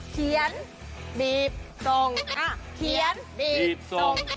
เขียนบีบทรง